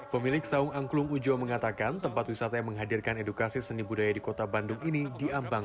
pemilik saung angklung ujo mengatakan tempat wisata yang menghadirkan edukasi seni budaya di kota bandung ini diambang